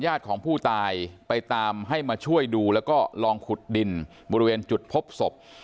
ญาติของผู้ตายไปตามให้มาช่วยดูแล้วก็ลองขุดดินบริเวณจุดพบศพ